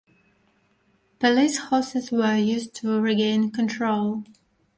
Police horses were used to regain control.